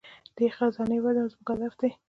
د دې خزانې وده زموږ هدف دی.